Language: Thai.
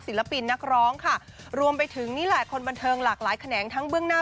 ศิลปินนักร้องค่ะรวมไปถึงนี่แหละคนบันเทิงหลากหลายแขนงทั้งเบื้องหน้า